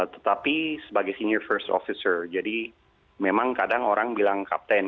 tetapi sebagai senior first officer jadi memang kadang orang bilang kapten